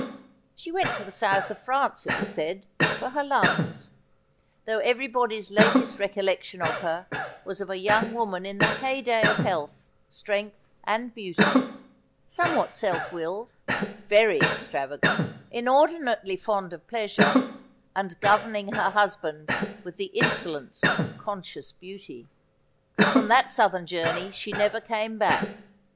She went to the South of France, it was said, for her lungs ; though everybody's latest re collection of her was of a young woman in the heyday of health, strength, and beauty ; somewhat self willed, very extravagant, inordinately fond of pleasure, and governing her husband with the insolence of conscious beauty. From that southern journey she never came back.